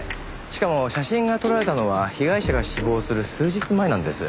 しかも写真が撮られたのは被害者が死亡する数日前なんです。